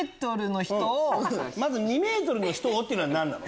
まず「２ｍの人を」っていうのは何なの？